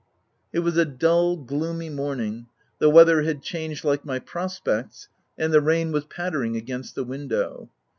It was a dull, gloomy morning, the weather had changed like my prospects, and the rain OF WILDFELL HALL. 223 was pattering against the window.